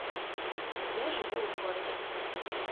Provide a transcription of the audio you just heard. Я жыву ў горадзе.